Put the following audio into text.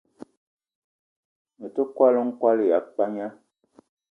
Me te kwal-n'kwal ya pagna